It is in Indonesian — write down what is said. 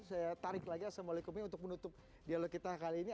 saya tarik lagi assalamualaikumnya untuk menutup dialog kita kali ini